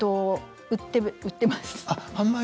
売っています。